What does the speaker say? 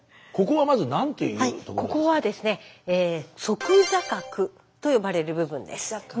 はいここはですねと呼ばれる部分です。